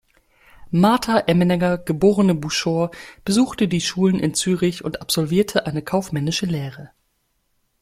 Marta Emmenegger, geborene Buschor, besuchte die Schulen in Zürich und absolvierte eine kaufmännische Lehre.